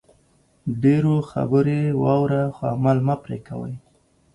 ډېرو خبرې واوره خو عمل مه پرې کوئ